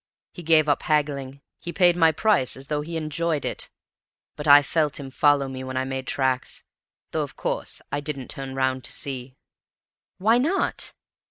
He gave up haggling. He paid my price as though he enjoyed doing it. But I FELT him following me when I made tracks; though, of course, I didn't turn round to see." "Why not?"